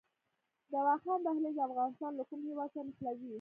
د واخان دهلیز افغانستان له کوم هیواد سره نښلوي؟